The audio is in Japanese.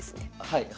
はい。